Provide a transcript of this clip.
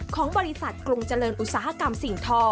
ของบริษัทกรุงเจริญอุตสาหกรรมสิ่งทอ